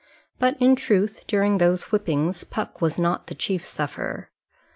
But, in truth, during those whippings Puck was not the chief sufferer.